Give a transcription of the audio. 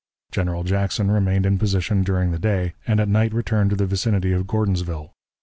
General Jackson remained in position during the day, and at night returned to the vicinity of Gordonsville.